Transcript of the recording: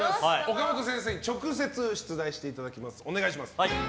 岡本先生に直接出題していただきます。